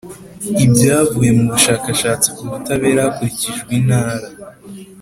Ibyavuye mu bushakashatsi ku butabera hakurikijwe intara